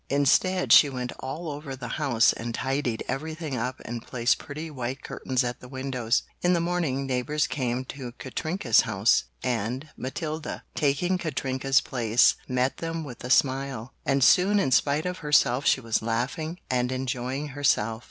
Instead she went all over the house and tidied everything up and placed pretty white curtains at the windows. In the morning neighbors came to Katrinka's house, and Matilda, taking Katrinka's place met them with a smile, and soon in spite of herself she was laughing and enjoying herself.